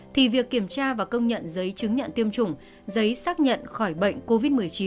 thì việc kiểm tra và công nhận giấy chứng nhận tiêm chủng giấy xác nhận khỏi bệnh covid một mươi chín